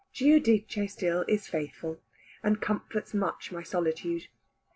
Giudice still is faithful, and comforts much my solitude.